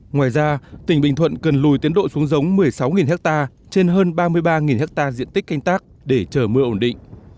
ngoài ra tỉnh bình thuận cần lùi tiến độ xuống giống một mươi sáu ha trên hơn ba mươi ba ha diện tích canh tác để chờ mưa ổn định